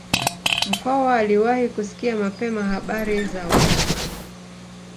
Mkwawa aliwahi kusikia mapema habari za Wajerumani